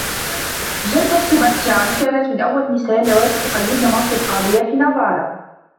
جدة سيباستيان كانت من أول النساء اللواتي تقلدن منصب قاضية في نافارا.